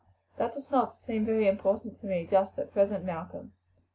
"That does not seem very important to me just at present, Malcolm."